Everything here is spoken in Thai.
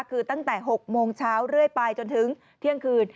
คือตั้งแต่๖โมงเช้าเรื่อยไปจนถึงเที่ยงคืน